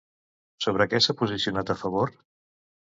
Sobre què s'ha posicionat a favor?